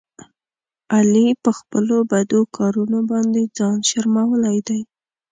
علي په خپلو بدو کارونو باندې ځان شرمولی دی.